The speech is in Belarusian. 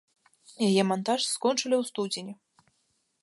Яе мантаж скончылі ў студзені.